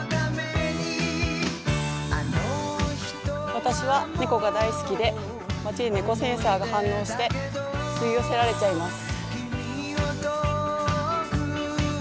私は猫が大好きで、街で猫センサーが反応して、吸い寄せられちゃいます。